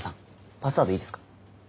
パスワードいいですか？